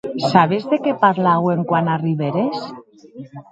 Sabes de qué parlàuem quan arribères?